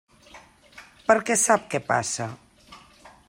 Perquè sap què passa?